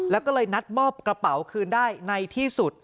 แล้วก็เลยนัดมอบกระเป๋าคืนได้ในที่สุด